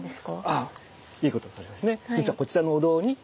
あっいいこと分かりますね。